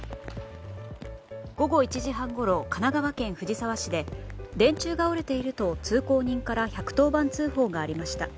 午後１時半ごろ神奈川県藤沢市で電柱が折れていると通行人から１１０番通報がありました。